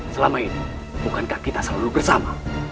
selama ini bukankah kita selalu bersama